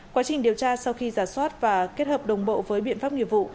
quá trình điều tra sau khi giả soát và kết hợp đồng bộ với biện pháp nghiệp vụ